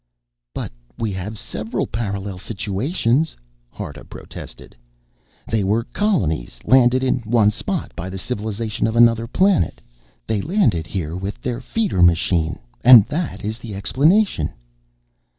"But we have several parallel situations," Harta protested. "They were colonies landed in one spot by the civilization of another planet. They landed here with their feeder machine. And that is the explanation."